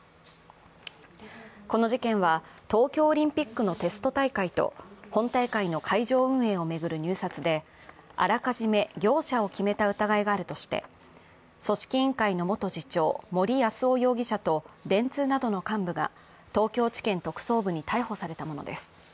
この事件は東京オリンピックのテスト大会と本大会の会場運営を巡る入札であらかじめ業者を決めた疑いがあるとして、組織委員会の元次長、森泰夫容疑者と電通などの幹部が東京地検特捜部に逮捕されたものです。